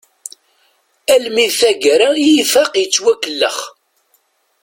Almi d taggara i ifaq yettwakellex.